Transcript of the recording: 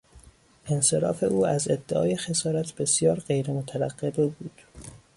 انصراف او از ادعای خسارت بسیار غیر مترقبه بود.